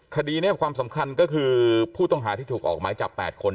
คดีนี้ความสำคัญก็คือผู้ต้องหาที่ถูกออกไม้จับ๘คน